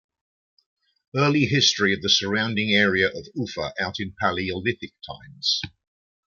Early history of the surrounding area of Ufa out in Paleolithic times.